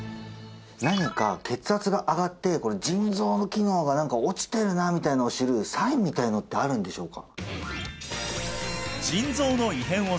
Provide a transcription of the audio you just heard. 何か血圧が上がって腎臓の機能が落ちてるなみたいなのを知るサインみたいなのってあるんでしょうか？